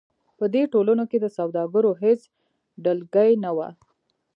په دې ټولنو کې د سوداګرو هېڅ ډلګۍ نه وه.